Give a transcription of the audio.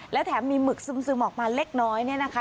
และแถมมีหมึกซึมออกมาเล็กน้อยเนี่ยนะคะ